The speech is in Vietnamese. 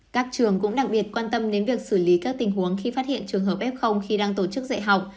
các trường cũng đặc biệt quan tâm đến việc xử lý các tình huống khi phát hiện trường hợp f khi đang tổ chức dạy học